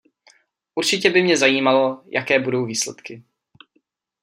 Určitě by mě zajímalo, jaké budou výsledky.